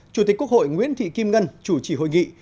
chủ tịch quốc hội nguyễn thị kim ngân chủ trì hội nghị